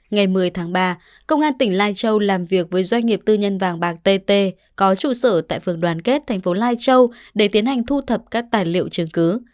ngày một mươi tháng ba công an tỉnh lai châu làm việc với doanh nghiệp tư nhân vàng bạc tt có trụ sở tại phường đoàn kết thành phố lai châu để tiến hành thu thập các tài liệu chứng cứ